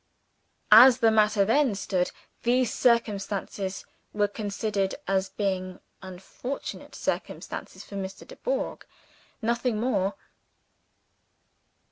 As the matter then stood, these circumstances were considered as being unfortunate circumstances for Mr. Dubourg nothing more.